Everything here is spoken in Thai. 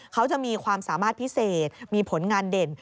เขาจะมีความสามารถพิเศษมีผลงานเด่น